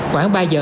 khoảng ba giờ